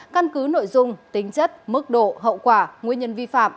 căn cứ nội dung tính chất mức độ hậu quả nguyên nhân vi phạm